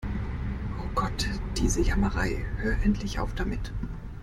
Oh Gott, diese Jammerei. Hör endlich auf damit!